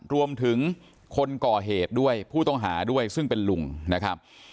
รวมถึงคนก่อเหตุด้วยผู้ต้องหาด้วยซึ่งเป็นลุงนะครับ